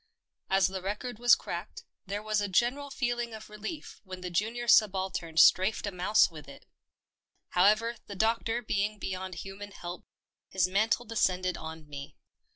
As the record was cracked, there was a general feeling of relief when the junior subaltern strafed a mouse with it. However, the doctor being beyond human help, his mantle descended on me.